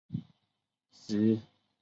及女主角美美在制作炸肉饼时的过程。